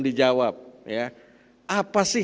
dijawab apa sih